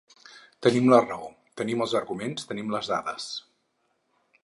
Tenim la raó, tenim els arguments, tenim les dades.